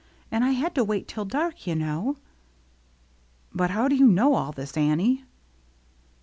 And I had to wait till dark, yoU know." " But how do you know all this, Annie